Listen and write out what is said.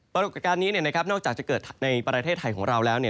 ปรากฏการณ์นี้นอกจากจะเกิดในประเทศไทยของเราแล้ว